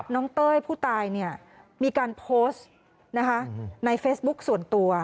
น้องเต้ยผู้ตายเนี่ยมีการโพสต์นะคะในเฟซบุ๊กส่วนตัว